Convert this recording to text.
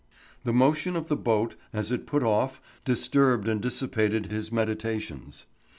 The motion of the boat as it put off disturbed and dissipated his meditations.